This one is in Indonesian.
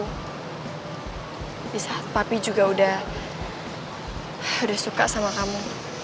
tapi saat papi juga udah suka sama kamu